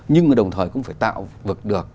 nhưng đồng thời cũng phải tạo vực được